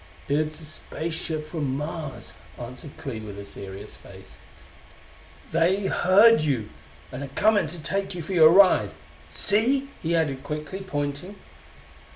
"It's a space ship from Mars," answered Clee with a serious face. "They heard you, and're coming to take you for your ride. See?" he added quickly, pointing.